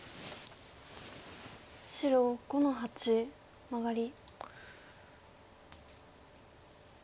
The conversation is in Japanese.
白５の八マガリ。